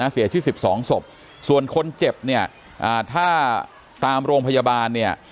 เสียชีวิตสิบสองศพส่วนคนเจ็บถ้าตามโรงพยาบาล